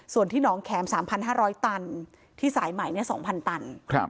ส่วนที่หนองแข็ม๓๕๐๐ตันที่สายใหม่๒๐๐ตัน